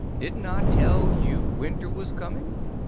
"Didn't I tell you winter was coming?